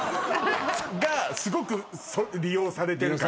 すごく利用されてるから。